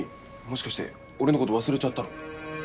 もしかして俺のこと忘れちゃったの？